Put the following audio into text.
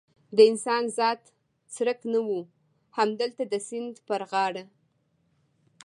د انسان ذات څرک نه و، همدلته د سیند پر غاړه.